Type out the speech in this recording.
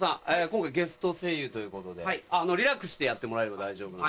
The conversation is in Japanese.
今回ゲスト声優ということでリラックスしてやってもらえれば大丈夫なんで。